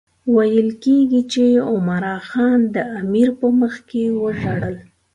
ویل کېږي چې عمرا خان د امیر په مخکې وژړل.